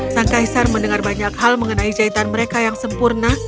sang kaisar mendengar banyak hal mengenai jahitan mereka yang sempurna